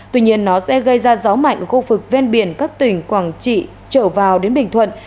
tuy nhiên nó sẽ gây ra gió mạnh ở khu vực ven biển các tỉnh quảng trị trở vào đến bình thuận